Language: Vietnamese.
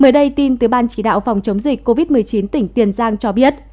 mới đây tin từ ban chỉ đạo phòng chống dịch covid một mươi chín tỉnh tiền giang cho biết